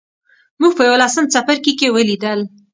موږ په یوولسم څپرکي کې ولیدل.